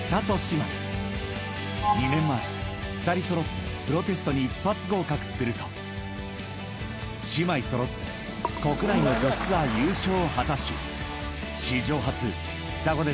［２年前２人揃ってプロテストに一発合格すると姉妹揃って国内の女子ツアー優勝を果たし］